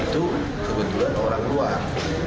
itu kebetulan orang luar